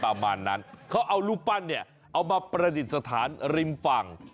ประมาณนั้นเขาเอารูปปั้นเนี่ยเอามาประดิษฐานริมฝั่ง